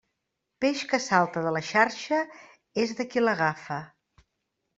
Peix que salta de la xarxa és de qui l'agafa.